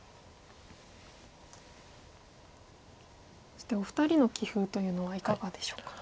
そしてお二人の棋風というのはいかがでしょうか？